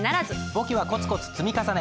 簿記はコツコツ積み重ね。